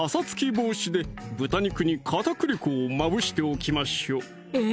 防止で豚肉に片栗粉をまぶしておきましょうえ